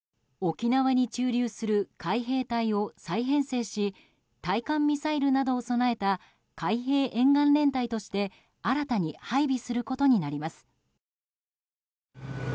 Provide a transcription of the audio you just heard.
沖縄に駐留する海兵隊を再編成し対艦ミサイルなどを備えた海兵沿岸連隊として新たに配備することになります。